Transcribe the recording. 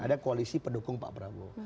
ada koalisi pendukung pak prabowo